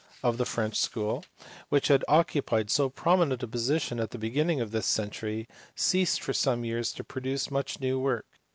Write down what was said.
451 the French school, which had occupied so prominent a position at the beginning of this century, ceased for some years to produce much new work.